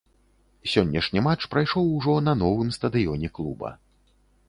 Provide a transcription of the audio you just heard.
Сённяшні матч прайшоў ужо на новым стадыёне клуба.